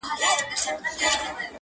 • ټول جهان له ما ودان دی نه ورکېږم,